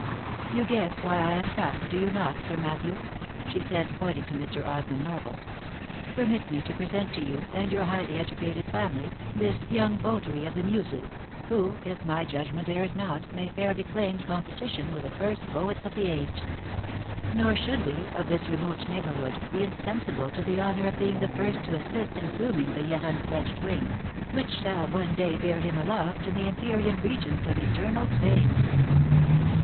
" You guess why I am come, do you not, Sir Matthew V she said, pointing to Mr. Osmond Norval. " Permit me to present to you, and your highly educated family, this young votary of the muses, who, if my judgment errs not, may fairly claim competi tion with the first poets of the age. Nor should we, of this remote neighbourhood, be insensible to the honour of being the first to assist in pluming the yet unfledged wing, which shall one day bear him aloft into the empyrean regions of eternal fame."